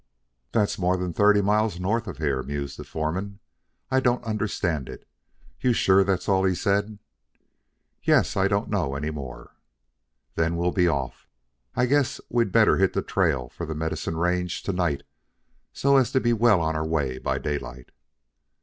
"That's more than thirty miles north of here," mused the foreman. "I don't understand it. You sure that's all he said?" "Yes; I don't know any more." "Then we'll be off. I guess we'd better hit the trail for the Medicine range to night so as to be well on our way by daylight."